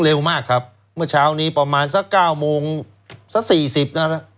เร็วมากครับเมื่อเช้านี้ประมาณสักเก้าโมงสักสี่สิบแล้วนะ